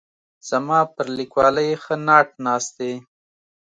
زما پر لیکوالۍ ښه ناټ ناست دی.